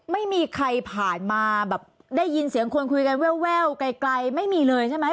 ไม่มีใครผ่านมาแบบได้ยินเสียงคนคุยกันแววไกลไม่มีเลยใช่ไหม